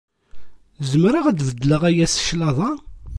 Zemreɣ ad d-beddleɣ aya s cclaḍa?